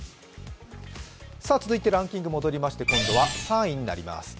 続いてランキング戻りまして今度は３位になります。